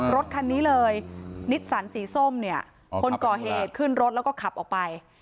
รถคันนี้เลยนิสสันสีส้มเนี่ยคนก่อเหตุขึ้นรถแล้วก็ขับออกไป